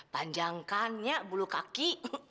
panjangkannya bulu kaki